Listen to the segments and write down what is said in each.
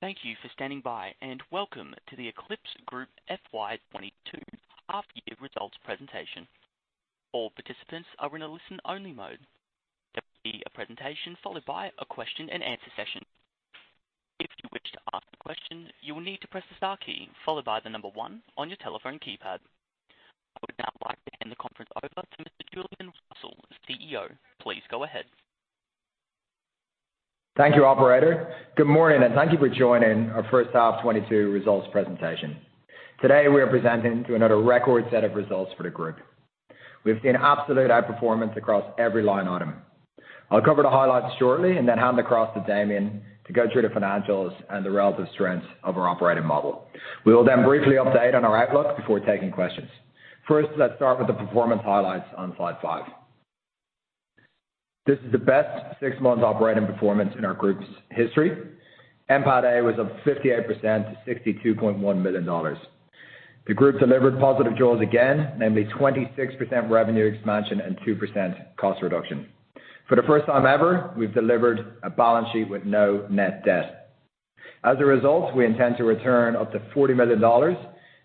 Thank you for standing by, and welcome to the FleetPartners Group FY 2022 half year results presentation. All participants are in a listen-only mode. There will be a presentation followed by a question and answer session. If you wish to ask a question, you will need to press the star key followed by the number one on your telephone keypad. I would now like to hand the conference over to Mr. Julian Russell, the CEO. Please go ahead. Thank you, operator. Good morning, and thank you for joining our first half 2022 results presentation. Today, we are presenting to another record set of results for the group. We've seen absolute outperformance across every line item. I'll cover the highlights shortly and then hand across to Damien to go through the financials and the relative strengths of our operating model. We will then briefly update on our outlook before taking questions. First, let's start with the performance highlights on slide five. This is the best six months operating performance in our group's history. NPATA was up 58% to 62.1 million dollars. The group delivered positive jaws again, namely 26% revenue expansion and 2% cost reduction. For the first time ever, we've delivered a balance sheet with no net debt. As a result, we intend to return up to 40 million dollars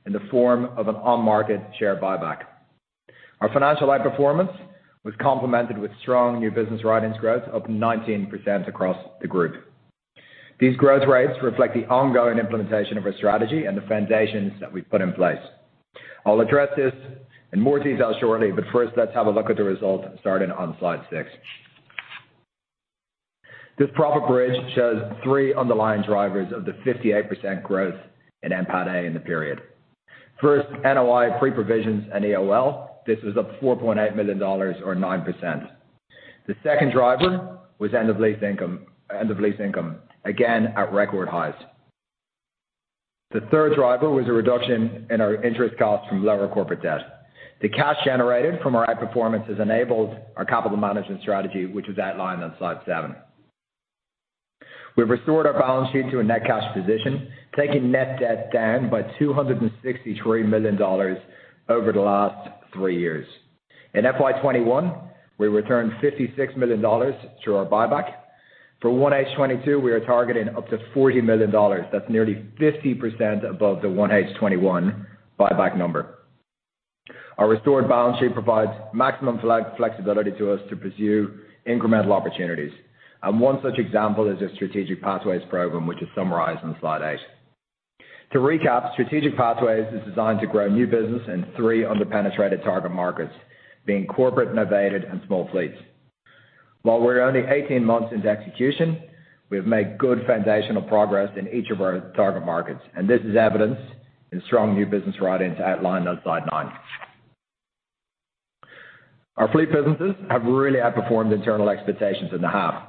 in the form of an on-market share buyback. Our financial outperformance was complemented with strong new business writings growth of 19% across the group. These growth rates reflect the ongoing implementation of our strategy and the foundations that we've put in place. I'll address this in more detail shortly, but first, let's have a look at the results starting on slide six. This profit bridge shows three underlying drivers of the 58% growth in NPATA in the period. First, NOI pre-EOL. This was up 4.8 million dollars or 9%. The second driver was end of lease income, again, at record highs. The third driver was a reduction in our interest costs from lower corporate debt. The cash generated from our outperformance has enabled our capital management strategy, which is outlined on slide seven. We've restored our balance sheet to a net cash position, taking net debt down by 263 million dollars over the last three years. In FY 2021, we returned 56 million dollars through our buyback. For 1H 2022, we are targeting up to 40 million dollars. That's nearly 50% above the 1H 21 buyback number. Our restored balance sheet provides maximum flex, flexibility to us to pursue incremental opportunities. One such example is a strategic pathways program, which is summarized on slide eight. To recap, strategic pathways is designed to grow new business in three underpenetrated target markets, being corporate, novated, and small fleets. While we're only 18 months into execution, we have made good foundational progress in each of our target markets. This is evidenced in strong new business writings outlined on slide nine. Our fleet businesses have really outperformed internal expectations in the half.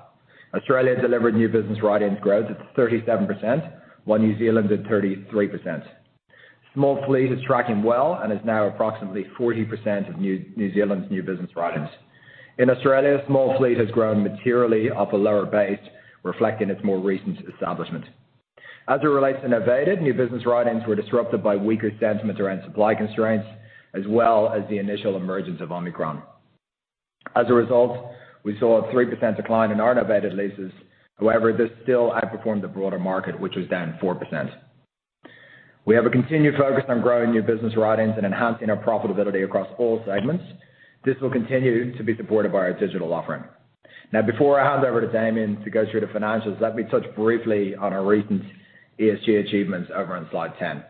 Australia delivered new business writings growth at 37%, while New Zealand did 33%. Small fleet is tracking well and is now approximately 40% of new, New Zealand's new business writings. In Australia, small fleet has grown materially off a lower base, reflecting its more recent establishment. As it relates to novated, new business writings were disrupted by weaker sentiment around supply constraints, as well as the initial emergence of Omicron. As a result, we saw a 3% decline in our novated leases. However, this still outperformed the broader market, which was down 4%. We have a continued focus on growing new business writings and enhancing our profitability across all segments. This will continue to be supported by our digital offering. Now, before I hand over to Damien to go through the financials, let me touch briefly on our recent ESG achievements over on slide 10.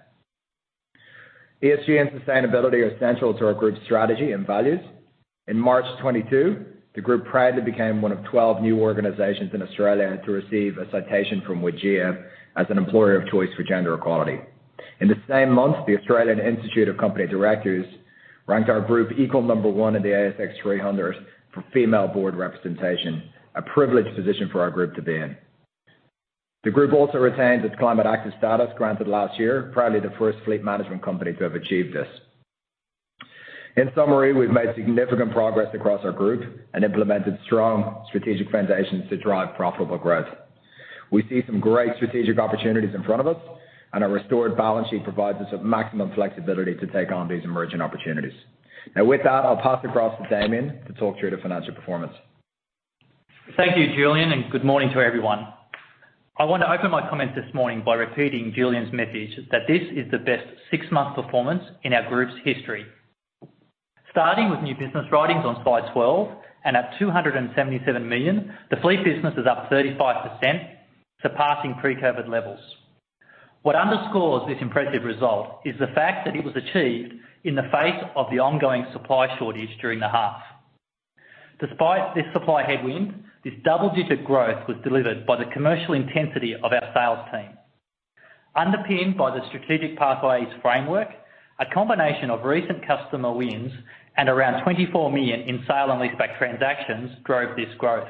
ESG and sustainability are central to our group's strategy and values. In March 2022, the group proudly became one of 12 new organizations in Australia to receive a citation from WGEA as an employer of choice for gender equality. In the same month, the Australian Institute of Company Directors ranked our group equal number one in the ASX 300 for female board representation, a privileged position for our group to be in. The group also retained its Climate Active status granted last year, proudly the first fleet management company to have achieved this. In summary, we've made significant progress across our group and implemented strong strategic foundations to drive profitable growth. We see some great strategic opportunities in front of us and our restored balance sheet provides us with maximum flexibility to take on these emerging opportunities. Now with that, I'll pass it across to Damien to talk through the financial performance. Thank you, Julian, and good morning to everyone. I want to open my comments this morning by repeating Julian's message that this is the best six-month performance in our group's history. Starting with new business writings on slide 12 and at 277 million, the fleet business is up 35%, surpassing pre-COVID levels. What underscores this impressive result is the fact that it was achieved in the face of the ongoing supply shortage during the half. Despite this supply headwind, this double-digit growth was delivered by the commercial intensity of our sales team. Underpinned by the strategic pathways framework, a combination of recent customer wins and around 24 million in sale and leaseback transactions drove this growth.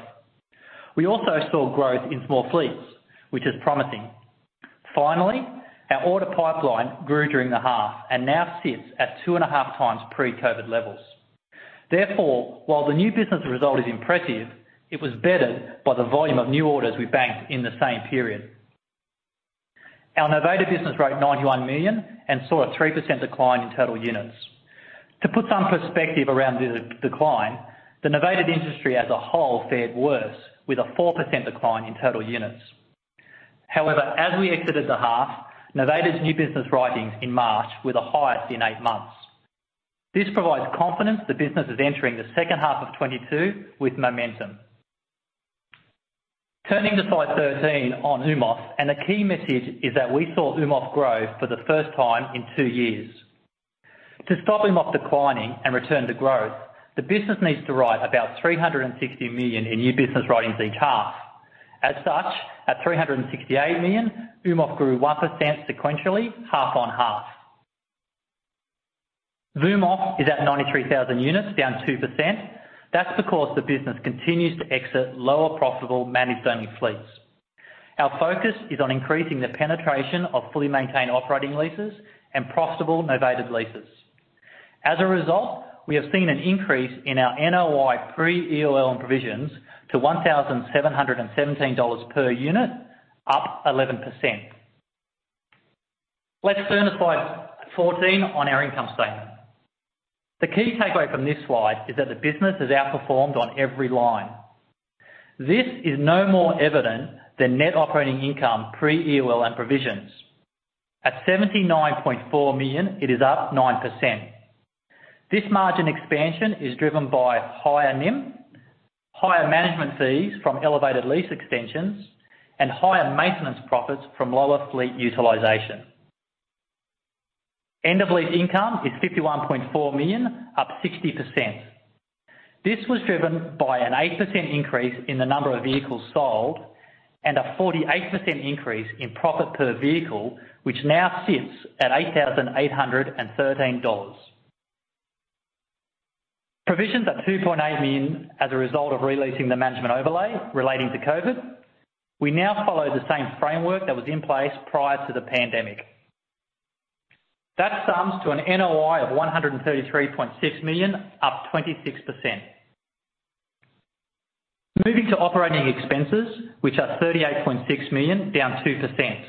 We also saw growth in small fleets, which is promising. Finally, our order pipeline grew during the half and now sits at 2.5 times pre-COVID levels. Therefore, while the new business result is impressive, it was bettered by the volume of new orders we banked in the same period. Our novated business wrote 91 million and saw a 3% decline in total units. To put some perspective around the decline, the novated industry as a whole fared worse with a 4% decline in total units. However, as we exited the half, novated new business writings in March were the highest in 8 months. This provides confidence the business is entering the second half of 2022 with momentum. Turning to slide 13 on UMOF, and a key message is that we saw UMOF grow for the first time in two years. To stop UMOF declining and return to growth, the business needs to write about 360 million in new business writings each half. As such, at 368 million, AUMOF grew 1% sequentially, half on half. VMOF is at 93,000 units, down 2%. That's because the business continues to exit less profitable managed-only fleets. Our focus is on increasing the penetration of fully maintained operating leases and profitable novated leases. As a result, we have seen an increase in our NOI pre-EOL and provisions to 1,717 dollars per unit, up 11%. Let's turn to slide 14 on our income statement. The key takeaway from this slide is that the business has outperformed on every line. This is no more evident than net operating income pre-EOL and provisions. At 79.4 million, it is up 9%. This margin expansion is driven by higher NIM, higher management fees from elevated lease extensions, and higher maintenance profits from lower fleet utilization. End of lease income is 51.4 million, up 60%. This was driven by an 8% increase in the number of vehicles sold and a 48% increase in profit per vehicle, which now sits at 8,813 dollars. Provisions at 2.8 million as a result of releasing the management overlay relating to COVID. We now follow the same framework that was in place prior to the pandemic. That sums to an NOI of 133.6 million, up 26%. Moving to operating expenses, which are 38.6 million, down 2%.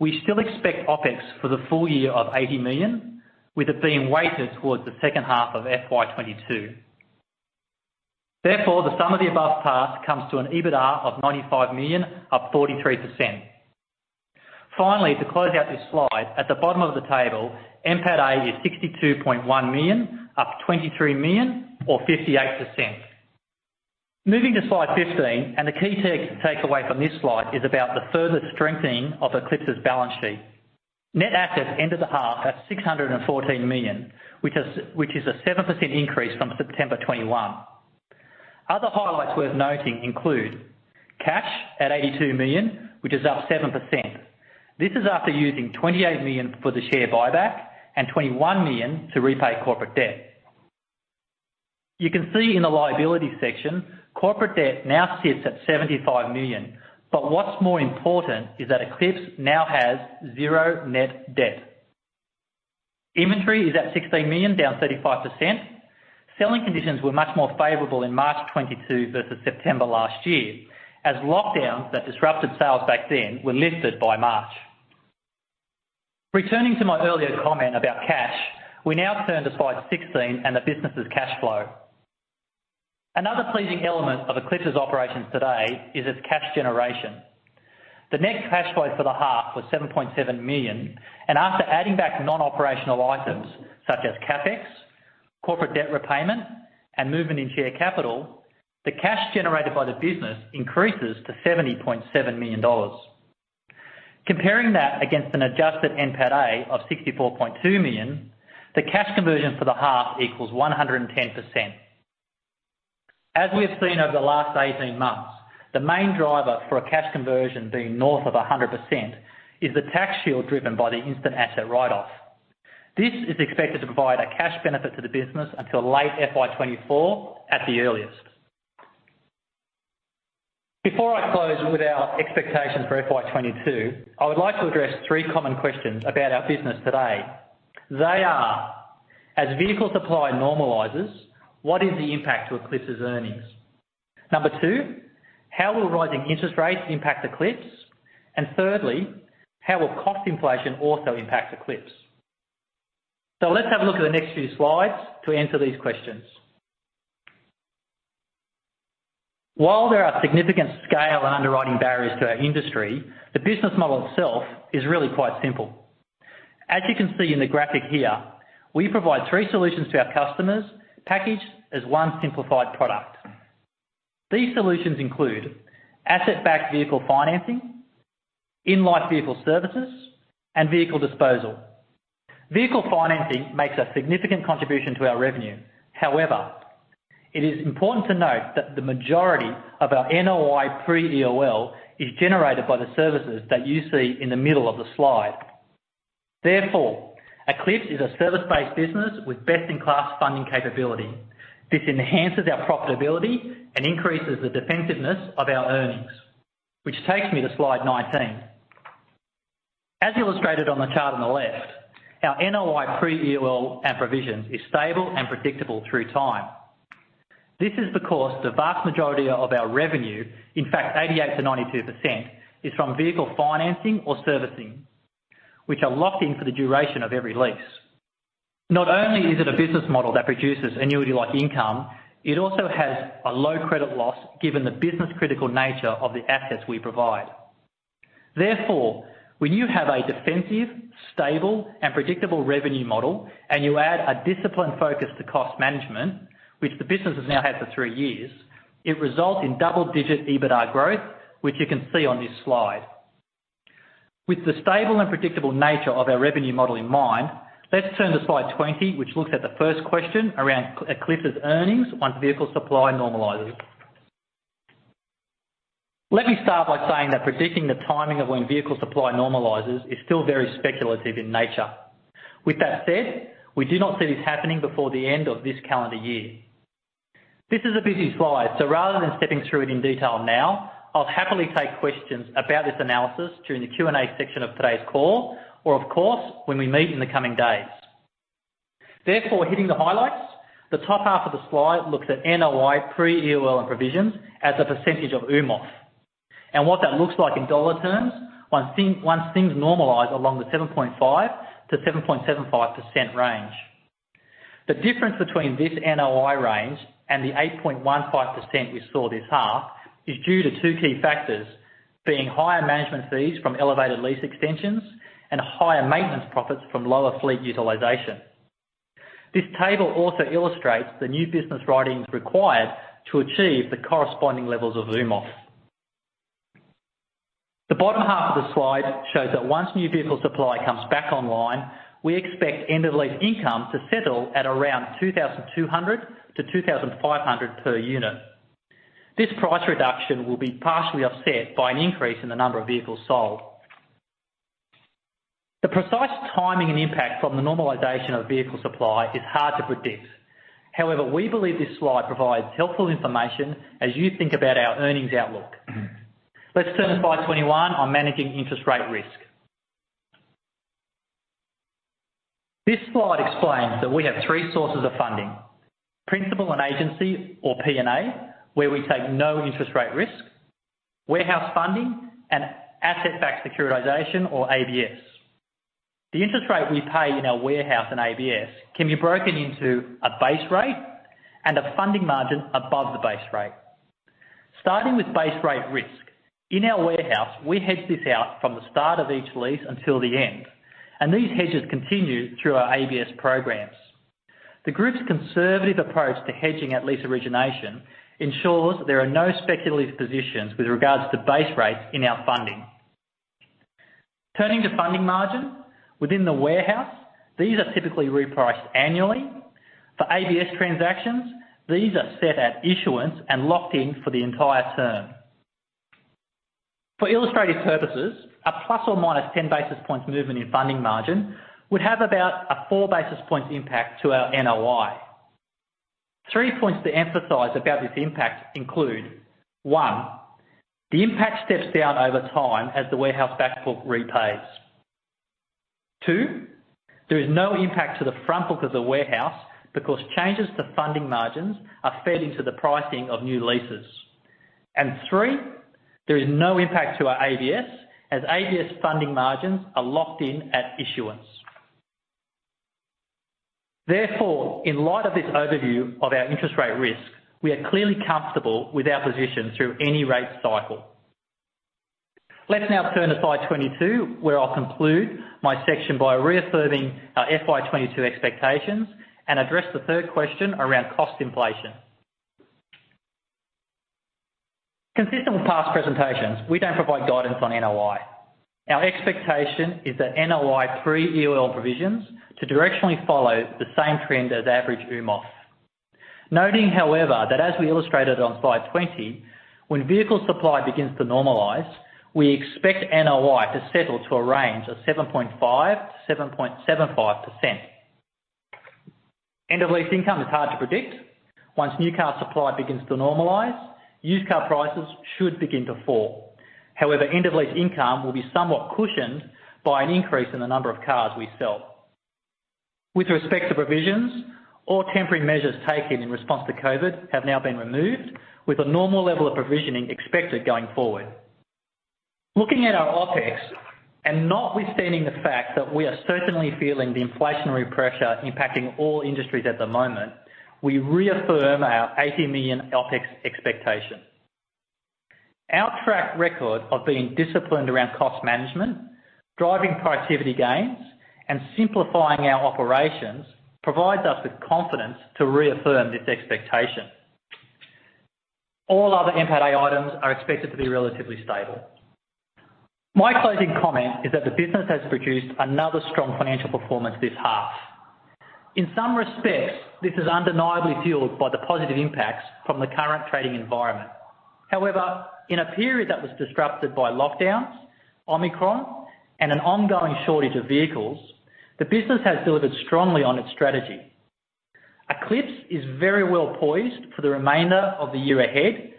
We still expect OpEx for the full year of 80 million, with it being weighted towards the second half of FY 2022. Therefore, the sum of the above path comes to an EBITA of 95 million, up 43%. Finally, to close out this slide, at the bottom of the table, NPATA is 62.1 million, up 23 million or 58%. Moving to slide 15, the key takeaway from this slide is about the further strengthening of Eclipx's balance sheet. Net assets ended the half at 614 million, which is a 7% increase from September 2021. Other highlights worth noting include cash at 82 million, which is up 7%. This is after using 28 million for the share buyback and 21 million to repay corporate debt. You can see in the liability section, corporate debt now sits at 75 million. What's more important is that Eclipx now has zero net debt. Inventory is at 16 million, down 35%. Selling conditions were much more favorable in March 2022 versus September last year, as lockdowns that disrupted sales back then were lifted by March. Returning to my earlier comment about cash, we now turn to slide 16 and the business' cash flow. Another pleasing element of Eclipx's operations today is its cash generation. The net cash flow for the half was 7.7 million, and after adding back non-operational items such as CapEx, corporate debt repayment, and movement in share capital, the cash generated by the business increases to 77.7 million dollars. Comparing that against an adjusted NPATA of 64.2 million, the cash conversion for the half equals 110%. As we have seen over the last 18 months, the main driver for a cash conversion being north of 100% is the tax shield driven by the instant asset write-off. This is expected to provide a cash benefit to the business until late FY 2024 at the earliest. Before I close with our expectations for FY 2022, I would like to address three common questions about our business today. They are. As vehicle supply normalizes, what is the impact to Eclipx's earnings? 2, how will rising interest rates impact Eclipx? And thirdly, how will cost inflation also impact Eclipx? Let's have a look at the next few slides to answer these questions. While there are significant scale and underwriting barriers to our industry, the business model itself is really quite simple. As you can see in the graphic here, we provide three solutions to our customers packaged as one simplified product. These solutions include asset-backed vehicle financing, in-life vehicle services, and vehicle disposal. Vehicle financing makes a significant contribution to our revenue. However, it is important to note that the majority of our NOI pre-EOL is generated by the services that you see in the middle of the slide. Therefore, Eclipx is a service-based business with best-in-class funding capability. This enhances our profitability and increases the defensiveness of our earnings. Which takes me to slide 19. As illustrated on the chart on the left, our NOI pre-EOL and provisions is stable and predictable through time. This is the source the vast majority of our revenue, in fact, 88%-92%, is from vehicle financing or servicing, which are locked in for the duration of every lease. Not only is it a business model that produces annuity-like income, it also has a low credit loss given the business critical nature of the assets we provide. Therefore, when you have a defensive, stable and predictable revenue model and you add a disciplined focus to cost management, which the business has now had for three years, it results in double-digit EBITA growth, which you can see on this slide. With the stable and predictable nature of our revenue model in mind, let's turn to slide 20, which looks at the first question around E-Eclipse's earnings once vehicle supply normalizes. Let me start by saying that predicting the timing of when vehicle supply normalizes is still very speculative in nature. With that said, we do not see this happening before the end of this calendar year. This is a busy slide, so rather than stepping through it in detail now, I'll happily take questions about this analysis during the Q&A section of today's call or of course, when we meet in the coming days. Therefore, hitting the highlights. The top half of the slide looks at NOI pre-EOL and provisions as a percentage of UMOF and what that looks like in dollar terms once things normalize along the 7.5%-7.75% range. The difference between this NOI range and the 8.15% we saw this half is due to two key factors, being higher management fees from elevated lease extensions and higher maintenance profits from lower fleet utilization. This table also illustrates the new business writings required to achieve the corresponding levels of UMOF. The bottom half of the slide shows that once new vehicle supply comes back online, we expect end of lease income to settle at around 2,200-2,500 per unit. This price reduction will be partially offset by an increase in the number of vehicles sold. The precise timing and impact from the normalization of vehicle supply is hard to predict. However, we believe this slide provides helpful information as you think about our earnings outlook. Let's turn to slide 21 on managing interest rate risk. This slide explains that we have three sources of funding. Principal and Agent or P&A, where we take no interest rate risk, warehouse funding and asset-backed securitization or ABS. The interest rate we pay in our warehouse and ABS can be broken into a base rate and a funding margin above the base rate. Starting with base rate risk. In our warehouse, we hedge this out from the start of each lease until the end, and these hedges continue through our ABS programs. The group's conservative approach to hedging at lease origination ensures there are no speculative positions with regards to base rates in our funding. Turning to funding margin. Within the warehouse, these are typically repriced annually. For ABS transactions, these are set at issuance and locked in for the entire term. For illustrative purposes, a ±10 basis points movement in funding margin would have about a 4 basis points impact to our NOI. Three points to emphasize about this impact include, 1, the impact steps down over time as the warehouse back book repays. Two, there is no impact to the front book of the warehouse because changes to funding margins are fed into the pricing of new leases. Three, there is no impact to our ABS as ABS funding margins are locked in at issuance. Therefore, in light of this overview of our interest rate risk, we are clearly comfortable with our position through any rate cycle. Let's now turn to slide 22, where I'll conclude my section by reaffirming our FY 2022 expectations and address the third question around cost inflation. Consistent with past presentations, we don't provide guidance on NOI. Our expectation is that NOI pre-EOL provisions to directionally follow the same trend as average UMOF. Noting, however, that as we illustrated on slide 20, when vehicle supply begins to normalize, we expect NOI to settle to a range of 7.5%-7.75%. End-of-lease income is hard to predict. Once new car supply begins to normalize, used car prices should begin to fall. However, end-of-lease income will be somewhat cushioned by an increase in the number of cars we sell. With respect to provisions or temporary measures taken in response to COVID have now been removed with a normal level of provisioning expected going forward. Looking at our OpEx and notwithstanding the fact that we are certainly feeling the inflationary pressure impacting all industries at the moment, we reaffirm our 80 million OpEx expectation. Our track record of being disciplined around cost management, driving productivity gains, and simplifying our operations provides us with confidence to reaffirm this expectation. All other NPATA items are expected to be relatively stable. My closing comment is that the business has produced another strong financial performance this half. In some respects, this is undeniably fueled by the positive impacts from the current trading environment. However, in a period that was disrupted by lockdowns, Omicron, and an ongoing shortage of vehicles, the business has delivered strongly on its strategy. Eclipx is very well poised for the remainder of the year ahead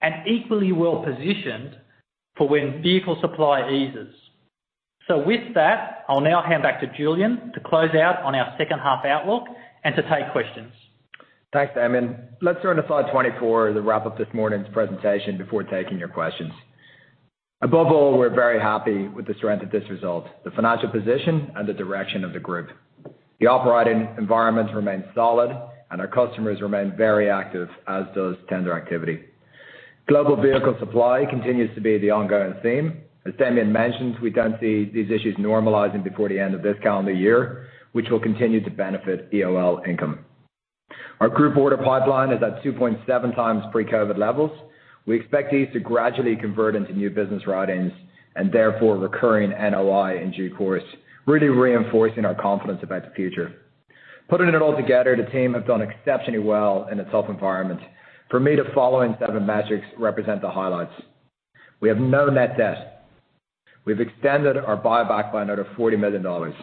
and equally well-positioned for when vehicle supply eases. With that, I'll now hand back to Julian to close out on our second half outlook and to take questions. Thanks, Damien. Let's turn to slide 24 to wrap up this morning's presentation before taking your questions. Above all, we're very happy with the strength of this result, the financial position and the direction of the group. The operating environment remains solid and our customers remain very active, as does tender activity. Global vehicle supply continues to be the ongoing theme. As Damien mentioned, we don't see these issues normalizing before the end of this calendar year, which will continue to benefit EOL income. Our group order pipeline is at 2.7x pre-COVID levels. We expect these to gradually convert into new business writings and therefore recurring NOI in due course, really reinforcing our confidence about the future. Putting it all together, the team have done exceptionally well in a tough environment. For me, the following set of metrics represent the highlights. We have no net debt. We've extended our buyback by another 40 million dollars.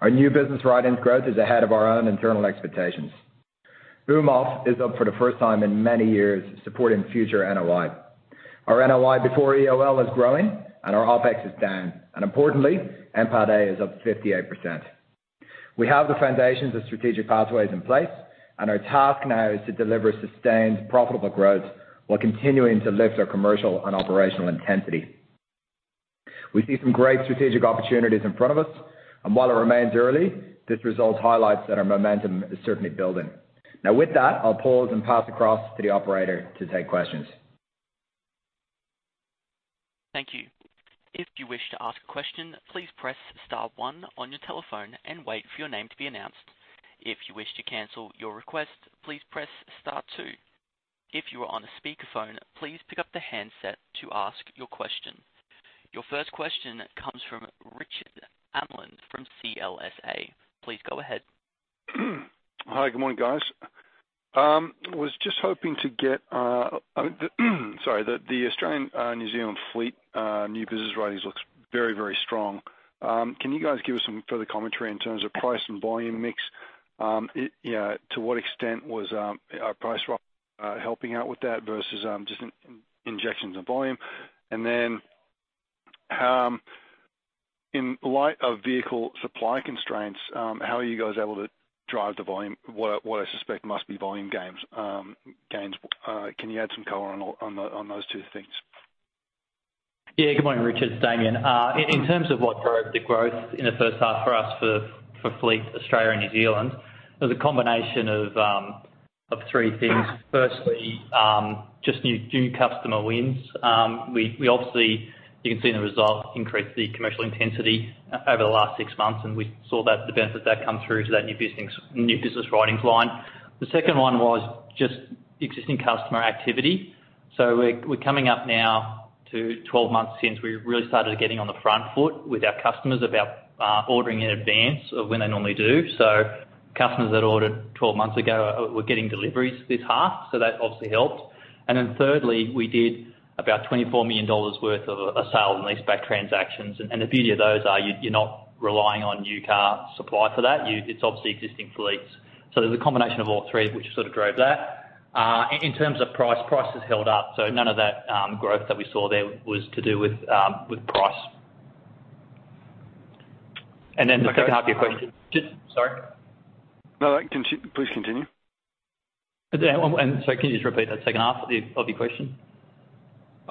Our new business writings growth is ahead of our own internal expectations. AUMOF is up for the first time in many years, supporting future NOI. Our NOI before EOL is growing and our OpEx is down, and importantly, NPATA is up 58%. We have the foundations of strategic pathways in place, and our task now is to deliver sustained, profitable growth while continuing to lift our commercial and operational intensity. We see some great strategic opportunities in front of us, and while it remains early, this result highlights that our momentum is certainly building. Now, with that, I'll pause and pass across to the operator to take questions. Thank you. If you wish to ask a question, please press star one on your telephone and wait for your name to be announced. If you wish to cancel your request, please press star two. If you are on a speakerphone, please pick up the handset to ask your question. Your first question comes from Richard Amland from CLSA. Please go ahead. Hi, good morning, guys. Was just hoping to get, sorry. The Australian New Zealand fleet new business writings looks very, very strong. Can you guys give us some further commentary in terms of price and volume mix? Yeah, to what extent was price rise helping out with that versus just injections of volume? Then, in light of vehicle supply constraints, how are you guys able to drive the volume? What I suspect must be volume gains. Can you add some color on those two things? Yeah. Good morning, Richard. It's Damian. In terms of what drove the growth in the first half for us for FleetPartners Australia and New Zealand, there's a combination of three things. Firstly, just new customer wins. We obviously, you can see the results increase the commercial intensity over the last 6 months, and we saw the benefit of that come through to that new business writings line. The second one was just existing customer activity. We're coming up now to 12 months since we really started getting on the front foot with our customers about ordering in advance of when they normally do. Customers that ordered 12 months ago were getting deliveries this half, so that obviously helped. Thirdly, we did about 24 million dollars worth of sale and leaseback transactions. The beauty of those are you're not relying on new car supply for that. It's obviously existing fleets. There's a combination of all three which sort of drove that. In terms of price has held up, so none of that growth that we saw there was to do with price. The second half of your question. Sorry? Please continue. Can you just repeat that second half of your question?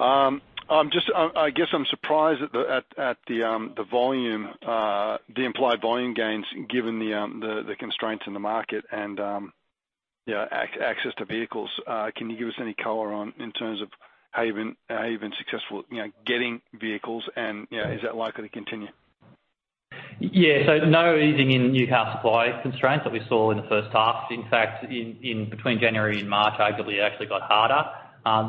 I guess I'm surprised at the volume, the implied volume gains given the constraints in the market and, yeah, access to vehicles. Can you give us any color on, in terms of how you've been successful, you know, getting vehicles and, you know, is that likely to continue? Yeah. No easing in new car supply constraints that we saw in the first half. In fact, between January and March, arguably, it actually got harder.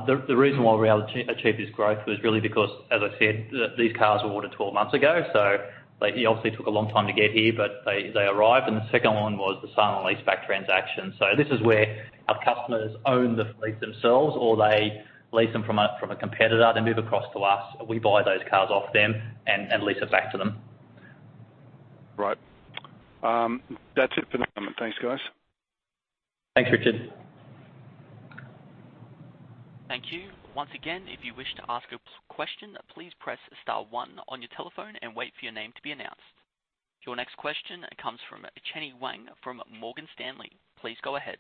The reason why we were able to achieve this growth was really because, as I said, these cars were ordered 12 months ago, so they obviously took a long time to get here, but they arrived. The second one was the sale and lease back transaction. This is where our customers own the fleet themselves, or they lease them from a competitor. They move across to us, we buy those cars off them and lease it back to them. Right. That's it for the moment. Thanks, guys. Thanks, Richard. Thank you. Once again, if you wish to ask a question, please press star one on your telephone and wait for your name to be announced. Your next question comes from Chenny Wang from Morgan Stanley. Please go ahead.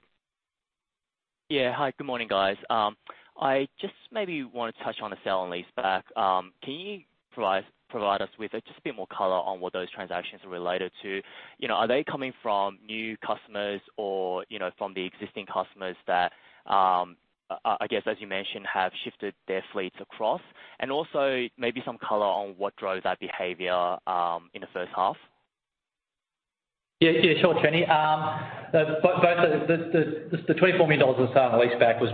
Yeah. Hi, good morning, guys. I just maybe want to touch on the sale and leaseback. Can you provide us with just a bit more color on what those transactions are related to? You know, are they coming from new customers or, you know, from the existing customers that, I guess, as you mentioned, have shifted their fleets across? Also maybe some color on what drove that behavior in the first half. Yeah, yeah, sure, Chenny. But the AUD 24 million in sale and leaseback was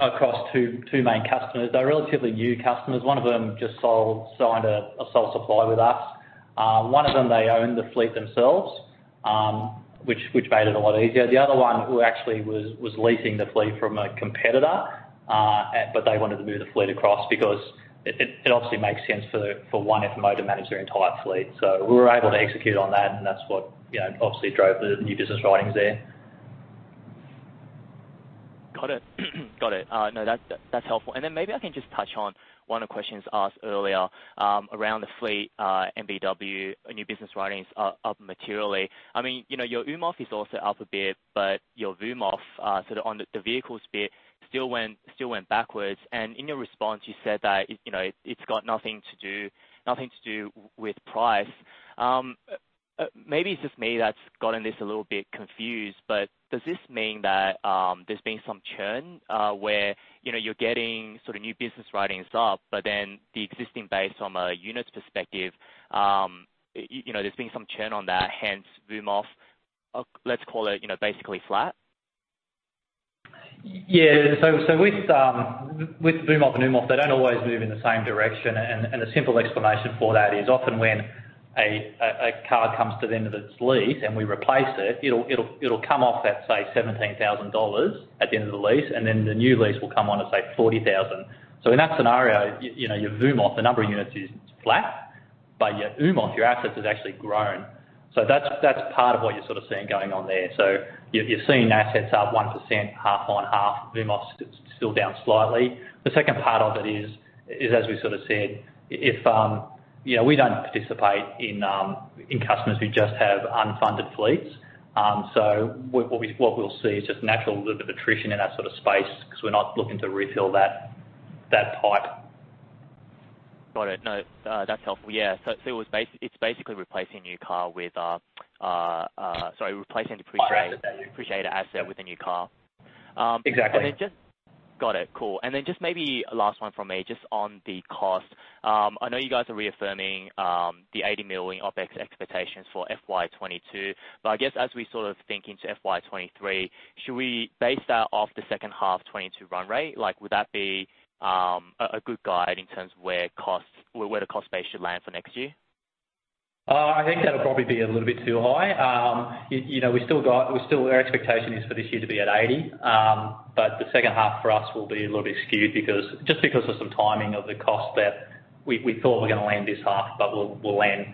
across two main customers. They're relatively new customers. One of them just signed a sole supply with us. One of them, they own the fleet themselves, which made it a lot easier. The other one who actually was leasing the fleet from a competitor, but they wanted to move the fleet across because it obviously makes sense for one FMO to manage their entire fleet. We were able to execute on that, and that's what, you know, obviously drove the new business writings there. Got it. No, that's helpful. Then maybe I can just touch on one of the questions asked earlier around the fleet NBW, new business writings up materially. I mean, you know, your UMOF is also up a bit, but your VMOF, so on the vehicles bit still went backwards. In your response, you said that, you know, it's got nothing to do with price. Maybe it's just me that's gotten this a little bit confused, but does this mean that there's been some churn where, you know, you're getting sort of new business writings up, but then the existing base from a units perspective, you know, there's been some churn on that, hence VMOF, let's call it, you know, basically flat? Yeah. With VMOF and UMOF, they don't always move in the same direction. A simple explanation for that is often when a car comes to the end of its lease and we replace it'll come off that say 17,000 dollars at the end of the lease, and then the new lease will come on and say 40,000. In that scenario, you know, your VMOF, the number of units is flat, but your UMOF, your assets, has actually grown. That's part of what you're sort of seeing going on there. You're seeing assets up 1%, half on half. VMOF's still down slightly. The second part of it is as we sort of said, if you know, we don't participate in customers who just have unfunded fleets. What we'll see is just natural little bit of attrition in our sort of space 'cause we're not looking to refill that pipe. Got it. No, that's helpful. Yeah. It's basically replacing the depreciated- Asset. Yeah. a depreciated asset with a new car. Exactly. Got it. Cool. Just maybe last one from me, just on the cost. I know you guys are reaffirming the 80 million OpEx expectations for FY 2022, but I guess as we sort of think into FY 2023, should we base that off the second half 2022 run rate? Like would that be a good guide in terms of where costs, the cost base should land for next year? I think that'll probably be a little bit too high. You know, we still, our expectation is for this year to be at 80. But the second half for us will be a little bit skewed because of some timing of the cost that we thought were gonna land this half, but we'll land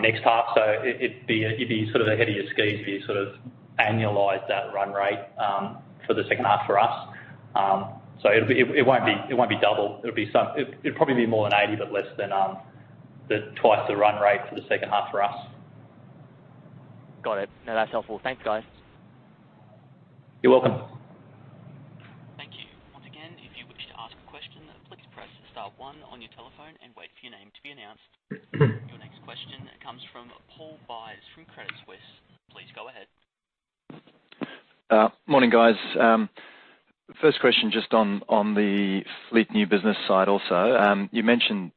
next half. It'd be sort of ahead of your skis if you sort of annualize that run rate for the second half for us. It won't be double. It'll be some. It'd probably be more than 80, but less than twice the run rate for the second half for us. Got it. No, that's helpful. Thanks, guys. You're welcome. Thank you. Once again, if you wish to ask a question, please press star one on your telephone and wait for your name to be announced. Your next question comes from Paul Buys from Credit Suisse. Please go ahead. Morning, guys. First question, just on the fleet new business side also. You mentioned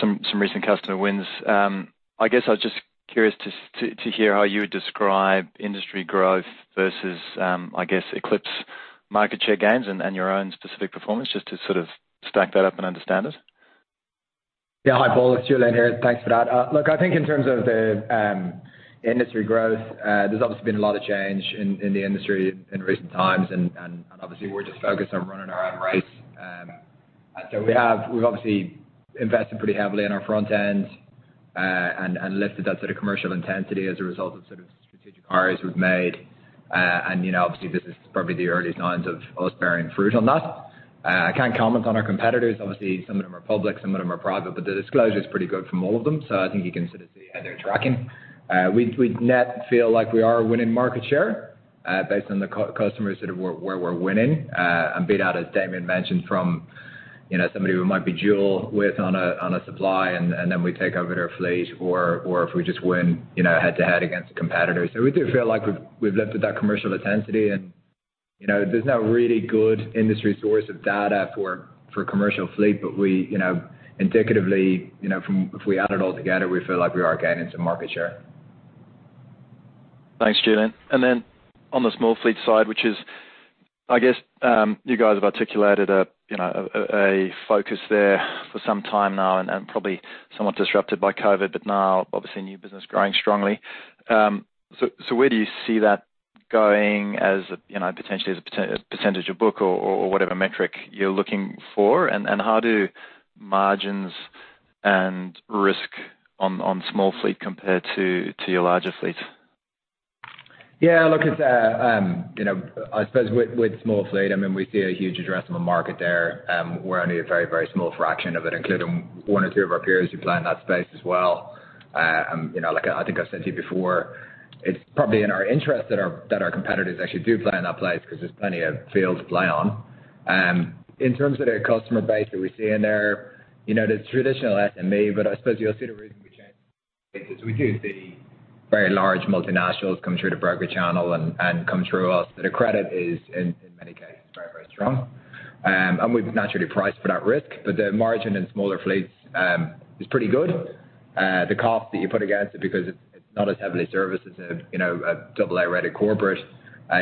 some recent customer wins. I guess I was just curious to hear how you would describe industry growth versus, I guess, FleetPartners market share gains and your own specific performance, just to sort of stack that up and understand it. Yeah. Hi, Paul. It's Julian here. Thanks for that. Look, I think in terms of the industry growth, there's obviously been a lot of change in the industry in recent times and obviously we're just focused on running our own race. So we've obviously invested pretty heavily in our front end and lifted that sort of commercial intensity as a result of sort of strategic hires we've made. And you know, obviously, this is probably the early signs of us bearing fruit on that. I can't comment on our competitors. Obviously, some of them are public, some of them are private, but the disclosure is pretty good from all of them, so I think you can sort of see how they're tracking. We do feel like we are winning market share based on the customers that we're winning and beating out, as Damian mentioned, from you know somebody who might be dealing with on a on a supply and then we take over their fleet or if we just win you know head to head against the competitors. We do feel like we've lifted that commercial intensity and you know there's no really good industry source of data for commercial fleet but we you know indicatively you know from if we add it all together we feel like we are gaining some market share. Thanks, Julian. Then on the small fleet side, which is, I guess, you guys have articulated a, you know, focus there for some time now and probably somewhat disrupted by COVID, but now obviously new business growing strongly. Where do you see that going as a, you know, potentially as a percentage of book or whatever metric you're looking for? How do margins and risk on small fleet compare to your larger fleet? Yeah, look, it's you know, I suppose with small fleet, I mean, we see a huge addressable market there. We're only a very, very small fraction of it, including one or two of our peers who play in that space as well. You know, like I think I've said to you before, it's probably in our interest that our competitors actually do play in that place 'cause there's plenty of field to play on. In terms of the customer base that we see in there, you know, there's traditional SME, but I suppose you'll see. We do see very large multinationals come through the broker channel and come through us, but their credit is in many cases very, very strong. We've naturally priced for that risk. The margin in smaller fleets is pretty good. The cost that you put against it because it's not as heavily serviced as a, you know, a double A-rated corporate,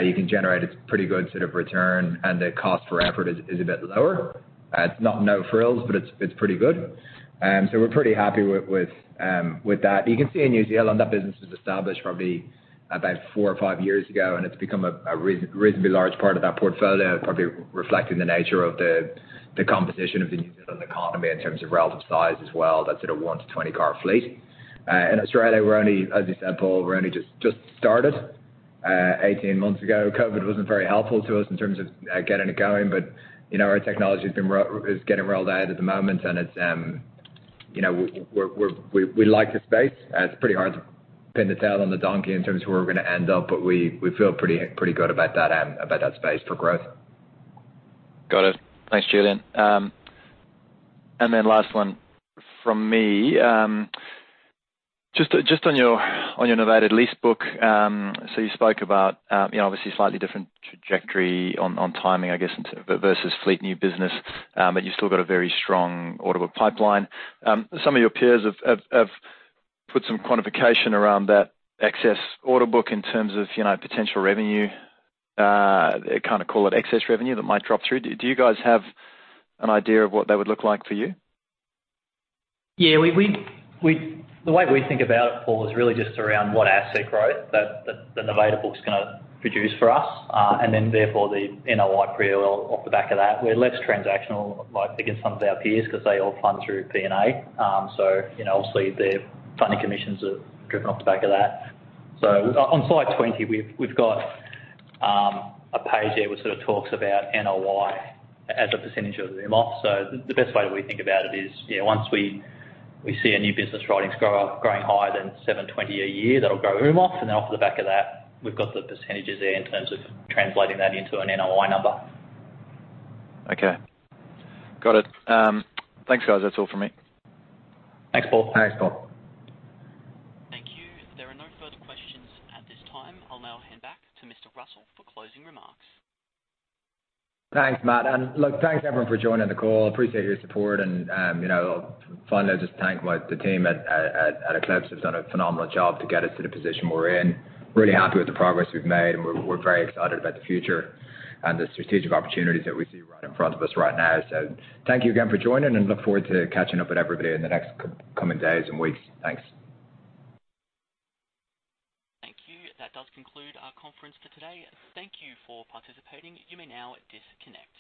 you can generate a pretty good sort of return and the cost for effort is a bit lower. It's not no frills, but it's pretty good. We're pretty happy with that. You can see in New Zealand, that business was established probably about four or five years ago, and it's become a reasonably large part of that portfolio, probably reflecting the nature of the composition of the New Zealand economy in terms of relative size as well. That's at a 1-20 car fleet. In Australia, as you said, Paul, we're only just started 18 months ago. COVID wasn't very helpful to us in terms of getting it going. You know, our technology is getting rolled out at the moment, and it's you know, we like the space. It's pretty hard to pin the tail on the donkey in terms of where we're gonna end up, but we feel pretty good about that space for growth. Got it. Thanks, Julian. Last one from me. Just on your novated lease book. You spoke about, you know, obviously slightly different trajectory on timing, I guess, in terms of versus fleet new business. You've still got a very strong order book pipeline. Some of your peers have put some quantification around that excess order book in terms of, you know, potential revenue, kinda call it excess revenue that might drop through. Do you guys have an idea of what that would look like for you? Yeah, the way we think about it, Paul, is really just around what asset growth that the novated book's gonna produce for us, and then therefore the NOI pre-EOL off the back of that. We're less transactional, like, against some of our peers 'cause they all fund through P&A. You know, obviously, their funding commissions are driven off the back of that. On slide 20, we've got a page there which sort of talks about NOI as a percentage of the AUMOF. The best way we think about it is, you know, once we see our new business writings growing higher than 720 a year, that'll grow AUMOF. Then off the back of that, we've got the percentages there in terms of translating that into an NOI number. Okay, got it. Thanks, guys. That's all for me. Thanks, Paul. Thanks, Paul. Thank you. There are no further questions at this time. I'll now hand back to Mr. Russell for closing remarks. Thanks, Matt. Look, thanks everyone for joining the call. Appreciate your support and, you know, finally, just thank the team at FleetPartners who's done a phenomenal job to get us to the position we're in. Really happy with the progress we've made, and we're very excited about the future and the strategic opportunities that we see right in front of us right now. Thank you again for joining, and look forward to catching up with everybody in the next coming days and weeks. Thanks. Thank you. That does conclude our conference for today. Thank you for participating. You may now disconnect.